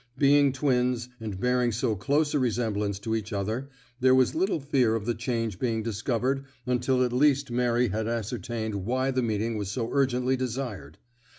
Being twins, and bearing so close a resemblance to each other, there was little fear of the change being discovered until at least Mary had ascertained why the meeting was so urgently desired.